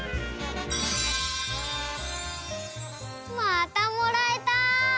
またもらえた！